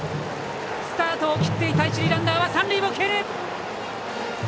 スタートを切っていた一塁ランナーは三塁も蹴る！